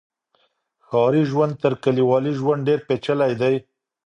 ښاري ژوند تر کلیوالي ژوند ډیر پیچلی دی.